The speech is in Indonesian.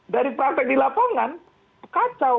dari praktek di lapangan kacau